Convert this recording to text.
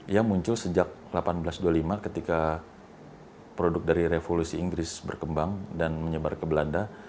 yang muncul sejak seribu delapan ratus dua puluh lima ketika produk dari revolusi inggris berkembang dan menyebar ke belanda